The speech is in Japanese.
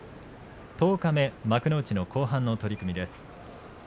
十日目幕内の後半の取組です。